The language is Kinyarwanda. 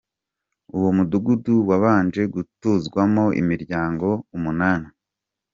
Uwo mudugudu wabanje gutuzwamo imiryango umunani.